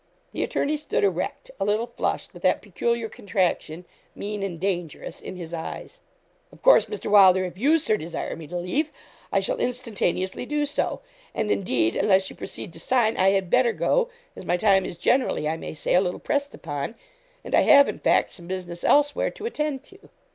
The attorney stood erect, a little flushed, with that peculiar contraction, mean and dangerous, in his eyes. 'Of course, Mr. Wylder, if you, Sir, desire me to leave, I shall instantaneously do so; and, indeed, unless you proceed to sign, I had better go, as my time is generally, I may say, a little pressed upon, and I have, in fact, some business elsewhere to attend to.'